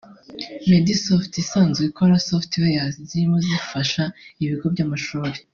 Medmasoft isanzwe ikora softwares zirimo izifasha ibigo by’amashuri